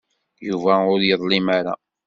Yuba ur yeḍlim ara.